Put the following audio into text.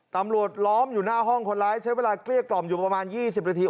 ล้อมอยู่หน้าห้องคนร้ายใช้เวลาเกลี้ยกล่อมอยู่ประมาณ๒๐นาที